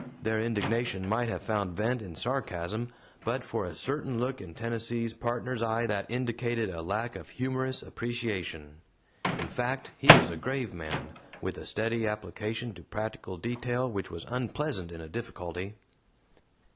Their indignation might have found vent in sarcasm but for a certain look in Tennessee's Partner's eye that indicated a lack of humorous appreciation. In fact, he was a grave man, with a steady application to practical detail which was unpleasant in a difficulty.